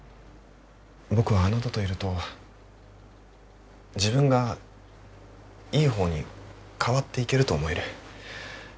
僕はあなたといると自分がいい方に変わっていけると思える。